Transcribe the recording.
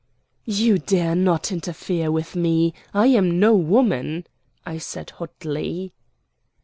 "You dare not interfere with me. I am no woman!" said I hotly.